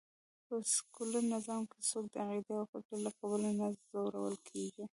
په سکیولر نظام کې څوک د عقېدې او فکر له کبله نه ځورول کېږي